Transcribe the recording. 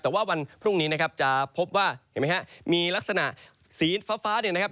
แต่ว่าวันพรุ่งนี้นะครับจะพบว่าเห็นไหมฮะมีลักษณะสีฟ้าเนี่ยนะครับ